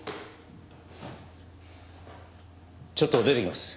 ちょっと出てきます。